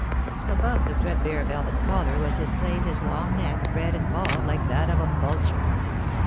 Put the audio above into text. Above the threadbare velvet collar was displayed his long neck, red and bald like that of a vulture.